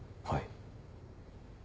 はい。